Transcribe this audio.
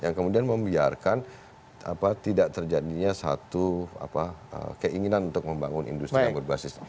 yang kemudian membiarkan tidak terjadinya satu keinginan untuk membangun industri yang berbasis